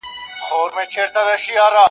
• راسئ له زړونو به اول توري تیارې و باسو,